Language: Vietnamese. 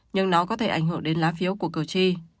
nhưng nó có thể ảnh hưởng đến lá phiếu của cử tri